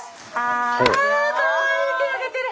あかわいい手上げてる！